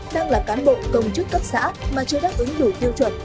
đang là cán bộ công chức cấp xã mà chưa đáp ứng đủ tiêu chuẩn